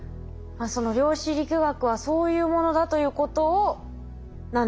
量子力学はそういうものだということなんですね。